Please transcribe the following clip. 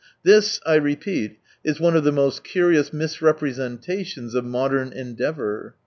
This, I repeat, is one of the most curious misrepresentations of modern endeavour.